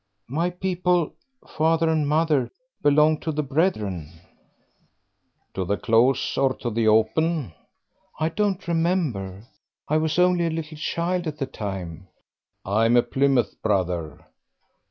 "My people father and mother belonged to the Brethren." "To the Close or the Open?" "I don't remember; I was only a little child at the time." "I'm a Plymouth Brother."